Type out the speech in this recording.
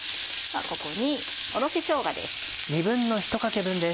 ここにおろししょうがです。